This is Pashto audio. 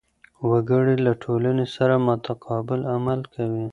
وګړي له ټولنې سره متقابل عمل کوي.